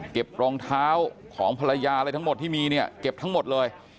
รองเท้าของภรรยาอะไรทั้งหมดที่มีเนี่ยเก็บทั้งหมดเลย